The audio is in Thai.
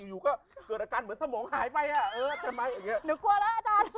อยู่ก็เกิดอาการเหมือนสมองหายไปฮะ